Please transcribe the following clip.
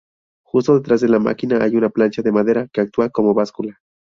Justo detrás de la máquina hay una plancha de madera que actúa como báscula.